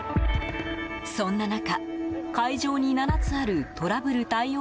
そんな中、会場に７つあるトラブル対応